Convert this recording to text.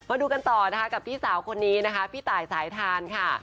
มาดูกันต่อนะคะกับพี่สาวคนนี้นะคะพี่ตายสายทานค่ะ